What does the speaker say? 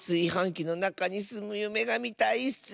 きのなかにすむゆめがみたいッス！